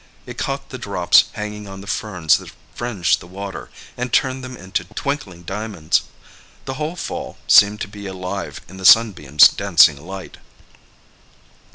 It caught the drops hanging on the ferns that fringed the water, and turned them into twinkling diamonds. The whole fall seemed to be alive in the sunbeams' dancing light.